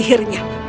aku menerima undangan